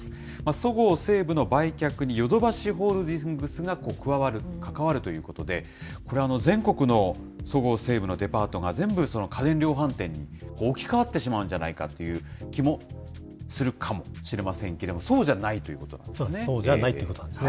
そごう・西武の売却にヨドバシホールディングスが加わる、関わるということで、これ、全国のそごう・西武のデパートが全部、家電量販店に置き換わってしまうんじゃないかという気もするかもしれませんけれども、そうじゃないということなんですね。